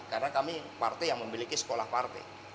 karena kami partai yang memiliki sekolah partai